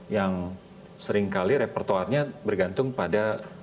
yang seringkali repertoarnya bergantung pada